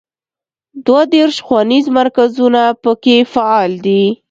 دوه دیرش ښوونیز مرکزونه په کې فعال دي.